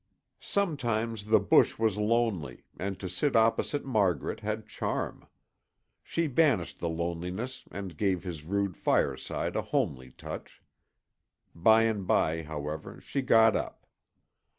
Sometimes the bush was lonely and to sit opposite Margaret had charm. She banished the loneliness and gave his rude fireside a homely touch. By and by, however, she got up.